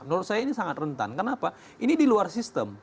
menurut saya ini sangat rentan kenapa ini di luar sistem